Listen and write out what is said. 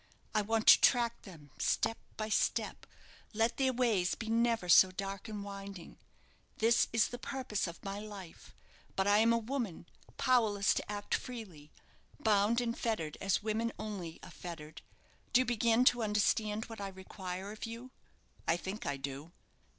I want to track them step by step, let their ways be never so dark and winding. This is the purpose of my life; but I am a woman powerless to act freely bound and fettered as women only are fettered. Do you begin to understand now what I require of you." "I think I do."